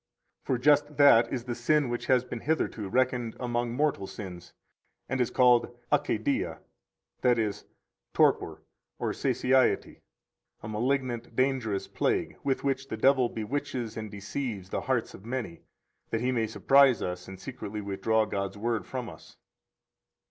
For just that is the sin which has been hitherto reckoned among mortal sins, and is called ajkhdia, i.e., torpor or satiety, a malignant, dangerous plague with which the devil bewitches and deceives the hearts of many, that he may surprise us and secretly withdraw God's Word from us.